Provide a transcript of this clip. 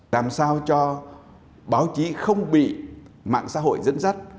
làm sao cho báo chí không bị mạng xã hội dẫn dắt